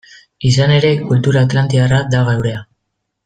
Izan ere, kultura atlantiarra da geurea.